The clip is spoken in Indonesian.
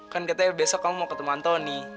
kan katanya besok kamu mau ketemu antoni